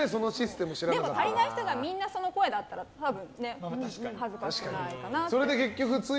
でも、足りない人がみんなその声なら恥ずかしくない。